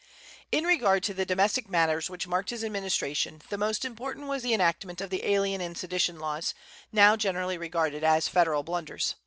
In regard to the domestic matters which marked his administration the most important was the enactment of the alien and sedition laws, now generally regarded as Federal blunders.